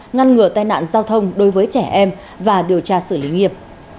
ngăn ngừa tai nạn giao thông đối với trẻ em và điều tra xử lý nghiệp